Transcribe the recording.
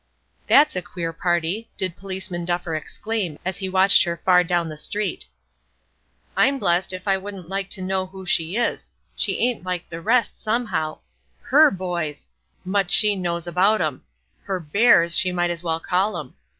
"That's a queer party!" did Policeman Duffer exclaim, as he watched her far down the street. "I'm blessed if I wouldn't like to know who she is; she ain't like the rest, somehow. Her boys! Much she knows about 'em! Her bears she might as well call 'em!